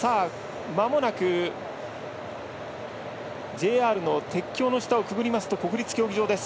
ＪＲの鉄橋の下をくぐりますと国立競技場です。